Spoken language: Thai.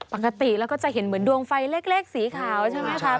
ปกติเราก็จะเห็นเหมือนดวงไฟเล็กสีขาวใช่ไหมคะ